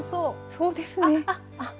そうですね。